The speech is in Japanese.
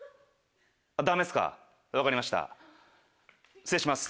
ダメっすか分かりました失礼します。